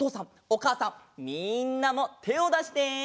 おかあさんみんなもてをだして。